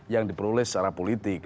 yang diperoleh secara politik